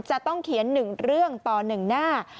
จะต้องเขียนหนึ่งเรื่องต่อหนึ่งหน้า